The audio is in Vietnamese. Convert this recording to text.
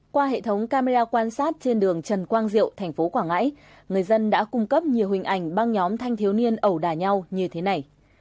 qua hệ thống camera quan sát trên đường trần quang diệu thành phố quảng ngãi người dân đã cung cấp nhiều hình ảnh băng nhóm thanh thiếu niên ẩu đà nhau như thế này